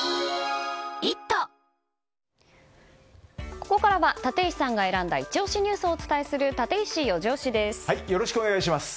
ここからは立石さんが選んだイチ推しニュースをお伝えするよろしくお願いします。